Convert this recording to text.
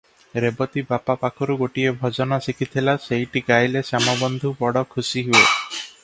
ରେବତୀ ବାପା ପାଖରୁ ଗୋଟିଏ ଭଜନ ଶିଖିଥିଲା ସେଇଟି ଗାଇଲେ ଶ୍ୟାମବନ୍ଧୁ ବଡ଼ ଖୁସି ହୁଏ ।